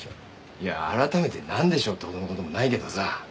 いや改めて「なんでしょう？」ってほどの事もないけどさ。